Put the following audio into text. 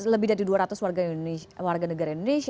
lebih dari dua ratus warga negara indonesia